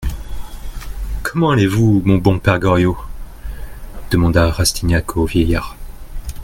Comment allez-vous, mon bon père Goriot ? demanda Rastignac au vieillard.